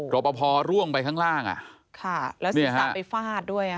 รอปภล่วงไปข้างล่างค่ะค่ะแล้วศิษย์ทรายการไปฟ้าดด้วย